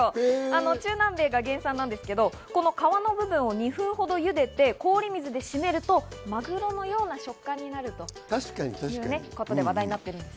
中南米が原産ですが、皮の部分を２分ほど茹でて氷水で締めるとマグロのような食感になるということで話題になっています。